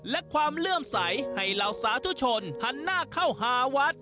และความเลื่อมใสให้เหล่าสาธุชนหันหน้าเข้าหาวัด